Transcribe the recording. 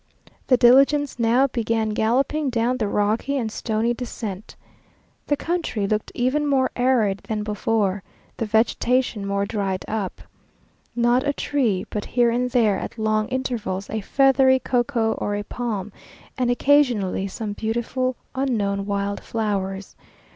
The diligence now began galloping down the rocky and stony descent. The country looked even more arid than before; the vegetation more dried up. Not a tree but here and there, at long intervals, a feathery cocoa or a palm, and occasionally some beautiful, unknown wild flowers.